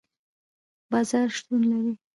بازار شتون لري